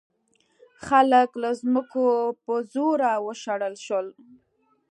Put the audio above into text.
خلک له ځمکو په زوره وشړل شول.